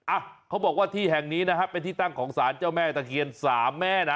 อ่ะเขาบอกว่าที่แห่งนี้นะฮะเป็นที่ตั้งของสารเจ้าแม่ตะเคียนสามแม่นะ